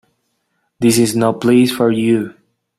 This is no place for you.